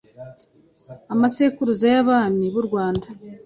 Amasekuruza y'Abami b'u Rwanda.